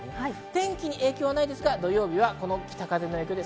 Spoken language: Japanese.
天気に影響はないですが土曜日は北風の影響で